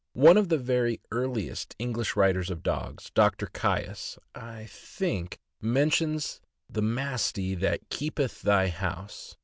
One of the very earliest English writers on dogs — Doctor Cains, I think — mentions "the Mastie that keepyth the house."